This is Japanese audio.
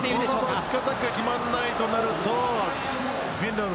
このバックアタックが決まらないとなるとフィンランド